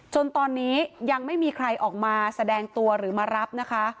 จนตอนนี้ยังไม่มีใครออกมาแสดงตัวหรือมารับนะคะ